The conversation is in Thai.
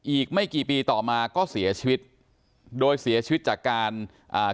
อีกไม่กี่ปีต่อมาก็เสียชีวิตโดยเสียชีวิตจากการอ่า